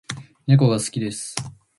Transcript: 猫が好きです